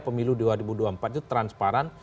pemilu dua ribu dua puluh empat itu transparan